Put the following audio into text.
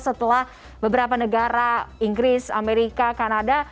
setelah beberapa negara inggris amerika kanada